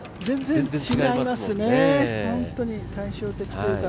全然違いますね、本当に対照的というか。